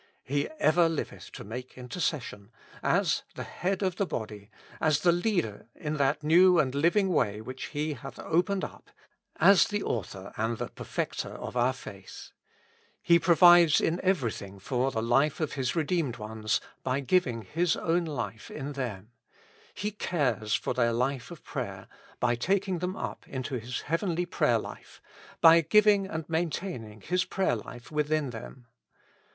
He ever liveth to make intercession " as the Head of the body, as the Leader in that new and living way which He hath opened up, as the Author and the Perfecter of our faith. He provides in everything for the life of His redeemed ones by giving His own life in them : He cares for their life of prayer, by taking them up into 213 With Christ in the School of Prayer. His heavenly prayer hfe, by giving and maintaining His prayer hfe within them.